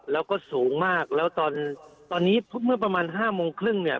แล้วก็สูงมากแล้วตอนตอนนี้เมื่อประมาณ๕โมงครึ่งเนี่ย